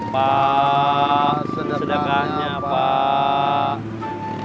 pak sedekahnya pak